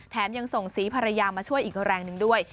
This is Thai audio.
ยังส่งสีภรรยามาช่วยอีกแรงหนึ่งด้วย